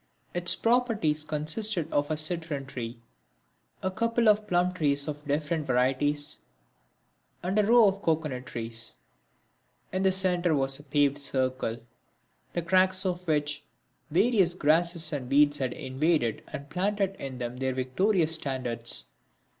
Its properties consisted of a citron tree, a couple of plum trees of different varieties, and a row of cocoanut trees. In the centre was a paved circle the cracks of which various grasses and weeds had invaded and planted in them their victorious standards.